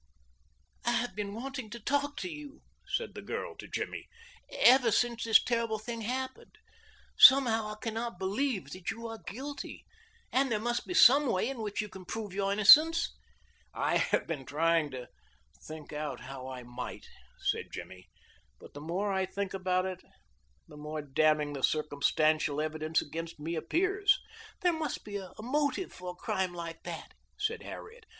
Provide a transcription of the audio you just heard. "I have been wanting to talk to you," said the girl to Jimmy, "ever since this terrible thing happened. Somehow I can not believe that you are guilty, and there must be some way in which you can prove your innocence." "I have been trying to think out how I might," said Jimmy, "but the more I think about it the more damning the circumstantial evidence against me appears." "There must always be a motive for a crime like that," said Harriet.